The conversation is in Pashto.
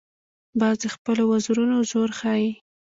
باز د خپلو وزرونو زور ښيي